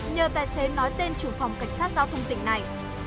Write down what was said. nhờ tài xế nói tên chủ phòng cảnh sát giao thông tỉnh này